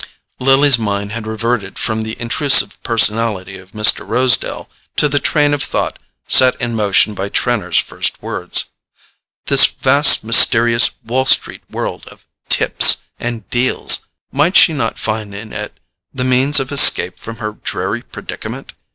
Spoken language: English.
Lily's mind had reverted from the intrusive personality of Mr. Rosedale to the train of thought set in motion by Trenor's first words. This vast mysterious Wall Street world of "tips" and "deals"—might she not find in it the means of escape from her dreary predicament?